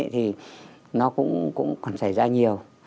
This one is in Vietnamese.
thì nó cũng còn xảy ra nhiều